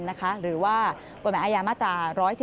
นะคะหรือว่าตัวหมายอายามาตรา๑๑๒